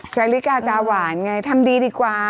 ชาลิกาตาหวานไงทำดีดีกว่า